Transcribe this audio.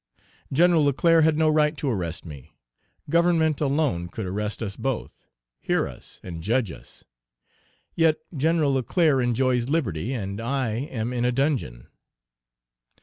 Gen. Leclerc had no right to arrest me; Government alone could arrest us both, hear us, and judge us. Yet Gen. Leclerc enjoys liberty, and I am in a dungeon.